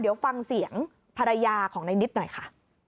เดี๋ยวฟังเสียงภรรยาของในนิดหน่อยค่ะ